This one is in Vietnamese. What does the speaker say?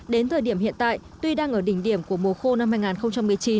đến thời điểm hiện tại tuy đang ở đỉnh điểm của mùa khô năm hai nghìn một mươi chín